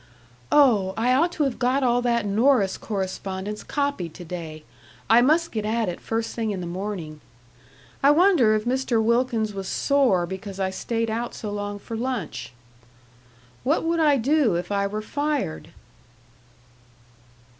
"Oh, I ought to have got all that Norris correspondence copied to day. I must get at it first thing in the morning.... I wonder if Mr. Wilkins was sore because I stayed out so long for lunch?... What would I do if I were fired?"